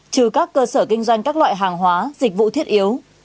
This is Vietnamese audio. trừ các cơ sở kinh doanh các loại hàng hóa dịch vụ thiết yếu